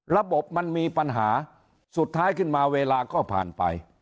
ระบบมันมีปัญหาสุดท้ายขึ้นมาเวลาก็ผ่านไป